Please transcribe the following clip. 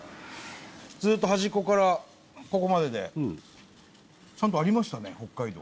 ずっとはじっこからここまででちゃんとありましたね北海道。